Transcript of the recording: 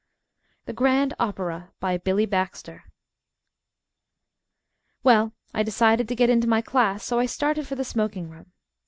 _ THE GRAND OPERA BY BILLY BAXTER Well, I decided to get into my class, so I started for the smoking room.